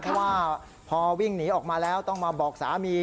เพราะว่าพอวิ่งหนีออกมาแล้วต้องมาบอกสามี